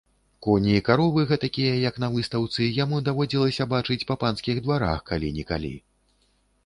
Коні і каровы гэтакія, як на выстаўцы, яму даводзілася бачыць па панскіх дварах калі-нікалі.